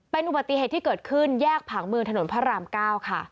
เป็นอุบัติเหตุที่เกิดขึ้นแยกผังเมืองถนนพระราม๙ค่ะ